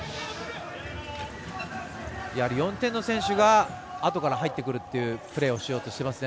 ４点の選手があとから入ってくるというプレーをしようとしていますね